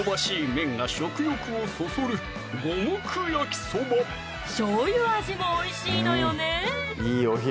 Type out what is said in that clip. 麺が食欲をそそるしょうゆ味もおいしいのよね